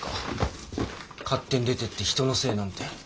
勝手に出てって人のせいなんて。